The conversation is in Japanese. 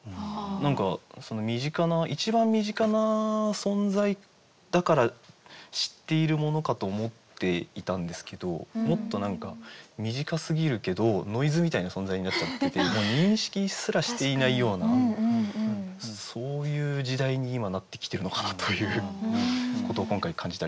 何か身近な一番身近な存在だから知っているものかと思っていたんですけどもっと身近すぎるけどノイズみたいな存在になっちゃっててもう認識すらしていないようなそういう時代に今なってきてるのかなということを今回感じたりしましたね。